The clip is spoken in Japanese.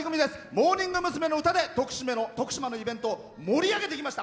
モーニング娘。の歌で徳島のイベントを盛り上げてきました。